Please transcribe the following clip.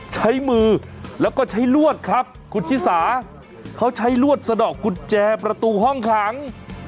ใช้มือแล้วก็ใช้ลวดครับคุณชิสาเขาใช้ลวดสะดอกกุญแจประตูห้องขัง